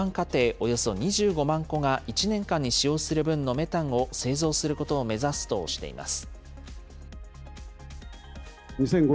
およそ２５万戸が１年間に使用する分のメタンを製造することを目指すとしています。